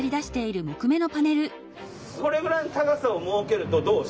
これぐらいの高さを設けるとどう？